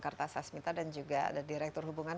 kartasasmita dan juga ada direktur hubungan